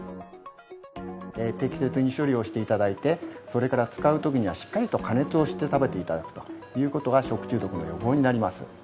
適切に処理をして頂いてそれから使う時にはしっかりと加熱をして食べて頂くという事が食中毒の予防になります。